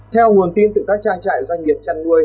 theo nguồn tin từ các trang trại doanh nghiệp chăn nuôi